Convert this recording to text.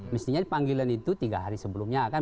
mestinya dipanggil itu tiga hari sebelumnya